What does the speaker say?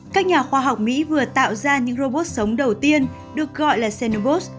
các nhà khoa học mỹ vừa tạo ra những robot sống đầu tiên được gọi là senurgus